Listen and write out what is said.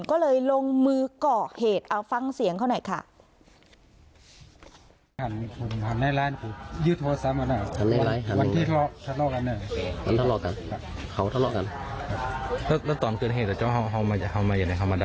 ก็เลยลงมือก่อเหตุเอาฟังเสียงเขาหน่อยค่ะ